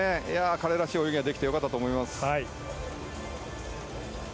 彼らしい泳ぎができて良かったと思います。